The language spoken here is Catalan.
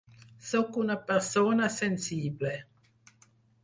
Sóc una persona sensible.